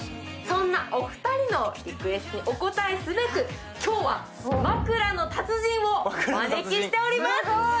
そんなお二人にお応えすべく今日は枕の達人をお招きしております。